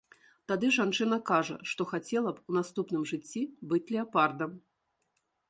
Тады жанчына кажа, што хацела б у наступным жыцці быць леапардам.